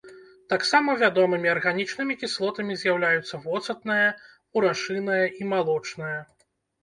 Таксама вядомымі арганічнымі кіслотамі з'яўляюцца воцатная, мурашыная і малочная.